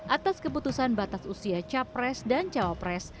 atas keputusan batas usia capres dan cawapres